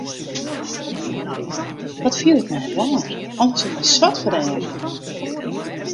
Wat fiel ik my raar, alles wurdt my swart foar de eagen.